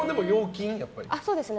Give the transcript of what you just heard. そうですね。